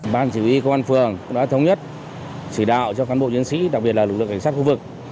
ban chỉ huy công an phường cũng đã thống nhất chỉ đạo cho cán bộ chiến sĩ đặc biệt là lực lượng cảnh sát khu vực